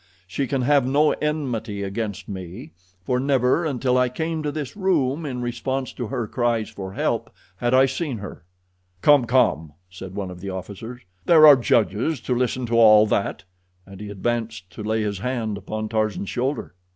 She can have no enmity against me, for never until I came to this room in response to her cries for help had I seen her." "Come, come," said one of the officers; "there are judges to listen to all that," and he advanced to lay his hand upon Tarzan's shoulder.